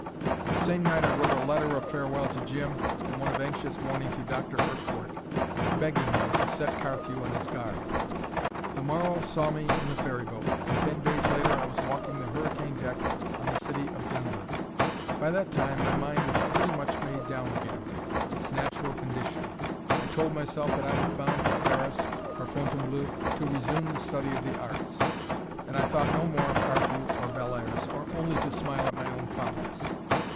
The same night I wrote a letter of farewell to Jim, and one of anxious warning to Dr. Urquart begging him to set Carthew on his guard; the morrow saw me in the ferry boat; and ten days later, I was walking the hurricane deck on the City of Denver. By that time my mind was pretty much made down again, its natural condition: I told myself that I was bound for Paris or Fontainebleau to resume the study of the arts; and I thought no more of Carthew or Bellairs, or only to smile at my own fondness.